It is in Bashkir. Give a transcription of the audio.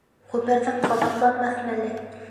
Ғүмерҙең ҡабатланмаҫ мәле!..